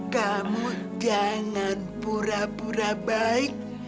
kamu jangan pura pura baik